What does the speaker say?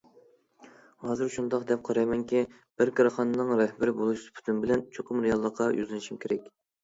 ھازىر شۇنداق دەپ قارايمەنكى، بىر كارخانىنىڭ رەھبىرى بولۇش سۈپىتىم بىلەن چوقۇم رېئاللىققا يۈزلىنىشىم كېرەك.